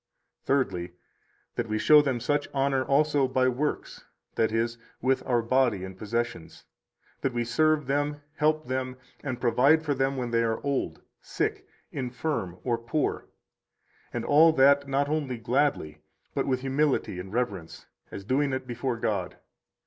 111 Thirdly, that we show them such honor also by works, that is, with our body and possessions, that we serve them, help them, and provide for them when they are old, sick, infirm, or poor, and all that not only gladly, but with humility and reverence, as doing it before God.